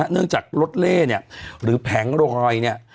เนื่องจากรถเล่เนี่ยหรือแผงรอยเนี่ย